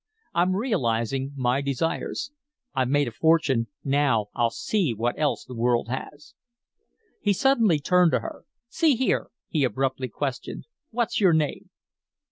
I'm realizing my desires. I've made a fortune now I'll see what else the world has." He suddenly turned to her. "See here," he abruptly questioned, "what's your name?"